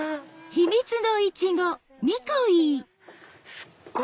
すっごい